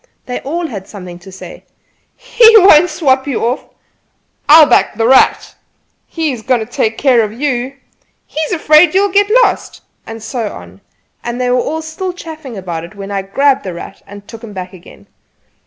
They all had something to say: "He won't swap you off!" "I'll back 'The Rat'!" "He is going to take care of you!" "He is afraid you'll get lost!" and so on; and they were still chaffing about it when I grabbed "The Rat" and took him back again.